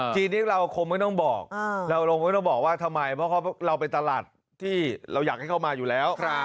จีนนี้เราคงไม่ต้องบอกเราไม่ต้องบอกว่าทำไมเพราะเราไปตลาดที่เราอยากให้เข้ามาอยู่แล้ว